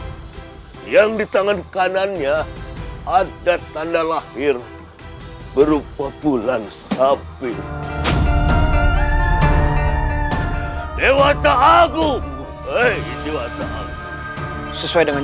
perempuan yang di tangan kanannya ada tanda lahir berupa bulan sabi dewa tahu sesuai dengan